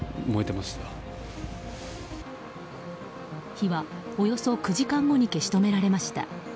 火はおよそ９時間後に消し止められました。